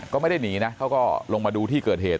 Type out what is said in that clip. ก็ไม่ได้หนีนะเขาก็ลงมาดูที่เกิดเหตุ